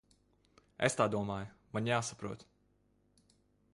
Es tā domāju. Man jāsaprot.